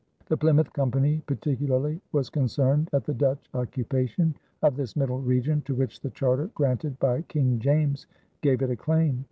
The Plymouth Company particularly was concerned at the Dutch occupation of this middle region to which the charter granted by King James gave it a claim.